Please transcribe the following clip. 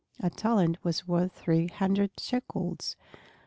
(A talent was worth three hundred shekels.)